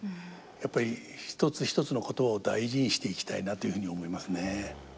やっぱり一つ一つの言葉を大事にしていきたいなというふうに思いますね。